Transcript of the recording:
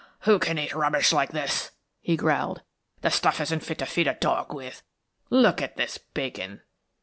"Who can eat rubbish like this?" he growled. "The stuff isn't fit to feed a dog with. Look at this bacon."